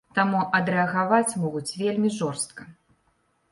Таму адрэагаваць могуць вельмі жорстка.